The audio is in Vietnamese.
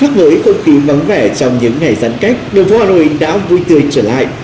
các người không tìm vắng vẻ trong những ngày giãn cách đường phố hà nội đã vui tươi trở lại